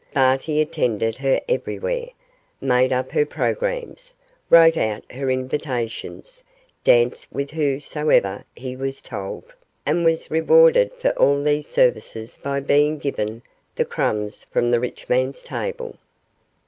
Barty attended her everywhere, made up her programmes, wrote out her invitations, danced with whosoever he was told, and was rewarded for all these services by being given the crumbs from the rich man's table.